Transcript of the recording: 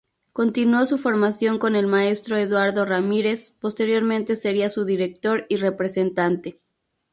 Continuó su formación con el maestro Eduardo Ramírez, posteriormente sería su director y representante.